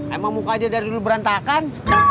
emang mukanya dari lu berantakan